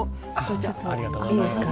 ちょっといいですか？